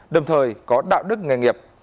đồng thời có đạo đức nghề nghiệp